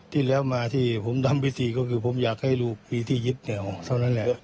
ที่แล้วมาที่ผมทำพิธีก็คือผมอยากให้รู้พิธียิทธิ์เนี่ยเท่านั้นแหละ